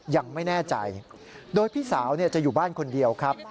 ยังไม่แน่ใจโดยพี่สาวจะอยู่บ้านคนเดียวครับ